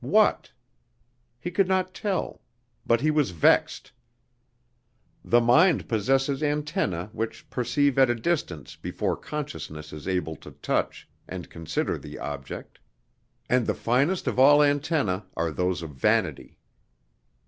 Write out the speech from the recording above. What? He could not tell; but he was vexed. The mind possesses antennae which perceive at a distance before consciousness is able to touch and consider the object. And the finest of all antennae are those of vanity.